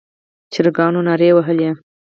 چرګانو نارې وهلې.